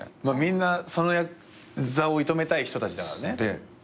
だからみんなその座を射止めたい人たちだからね。